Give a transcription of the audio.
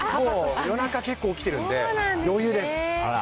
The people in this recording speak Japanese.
夜中、結構起きてるんで、余裕です。